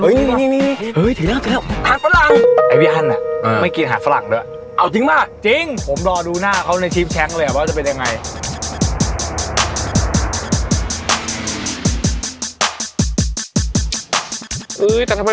หรือแต่ทำไมมันถึงนำหน้าไอ้ทีมนำหน้าตลอดเลยดูจากหน้าตามันสมองแล้วไม่น่าสู้ทีมเราได้